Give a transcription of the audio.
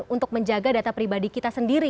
untuk menjaga data pribadi kita sendiri